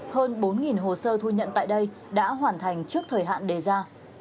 hơn bốn hồ sơ thu nhận tại đây đã hoàn thành trước thời hạn đề ra